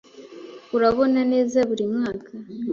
Urabona neza buri mwaka.